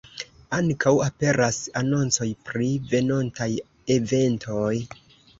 Ankaŭ aperas anoncoj pri venontaj eventoj.